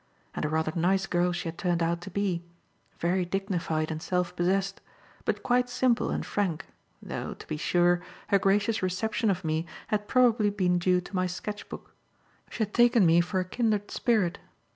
And a rather nice girl she had turned out to be; very dignified and self possessed, but quite simple and frank though, to be sure, her gracious reception of me had probably been due to my sketch book; she had taken me for a kindred spirit.